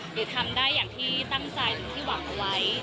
หรือทำได้อย่างที่ตั้งใจหรือที่หวังเอาไว้